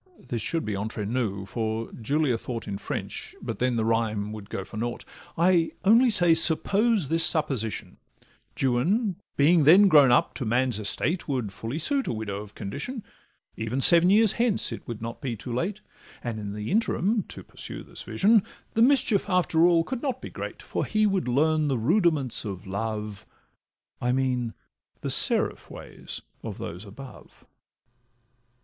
(This should be entre nous, for Julia thought In French, but then the rhyme would go for naught.) I only say suppose this supposition: Juan being then grown up to man's estate Would fully suit a widow of condition, Even seven years hence it would not be too late; And in the interim (to pursue this vision) The mischief, after all, could not be great, For he would learn the rudiments of love, I mean the seraph way of those above.